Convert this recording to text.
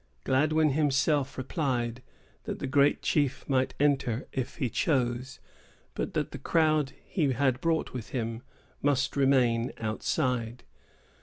Gladwyn himself replied, that the great chief might enter, if he chose, but that the crowd he had brought with him must remain outside.